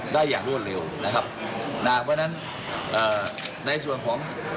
อย่างรวดเร็วนะครับนะเพราะฉะนั้นเอ่อในส่วนของ